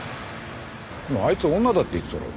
あいつ女だって言ってただろ。